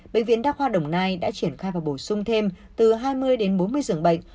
bệnh viện đa khoa đồng nai đã triển khai và bổ sung thêm từ hai mươi đến bốn mươi giường bệnh